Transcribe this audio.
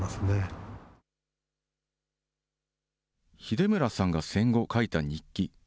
秀村さんが戦後書いた日記。